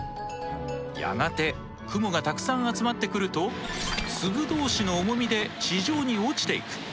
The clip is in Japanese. やがて雲がたくさん集まってくると粒同士の重みで地上に落ちていく。